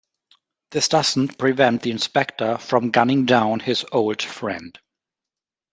This doesn't prevent the inspector from gunning down his old friend.